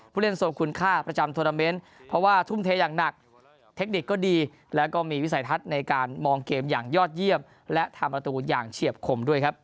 ผู้เล่นทรงคุณค่าประจำทวนาเมนต์เพราะว่าทุ่มเทอย่างหนักเทคนิคก็ดีแล้วก็มีวิสัยทัศน์ในการมองเกมอย่างยอดเยี่ยมและทำประตูอย่างเฉียบคมด้วยครับ